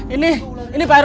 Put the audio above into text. ini ini pak rw